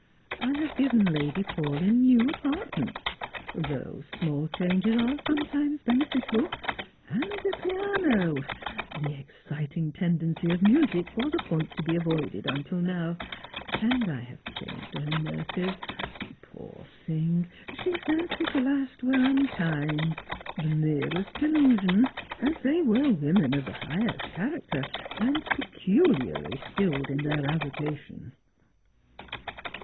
I have given Lady Paulyn new apartments — those small changes are sometimes beneficial — and a piano ; the exciting tendency of music was a point to be avoided until now ; and I have changed her nurses. Poor thing, she fancied the last were unkind ; the merest delusion, as they were women of the highest character, and peculiarly skilled in their avocation."